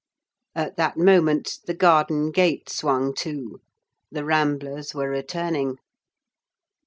At that moment the garden gate swung to; the ramblers were returning.